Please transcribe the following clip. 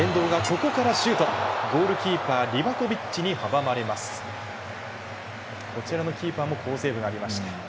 こちらのキーパーも好セーブがありました。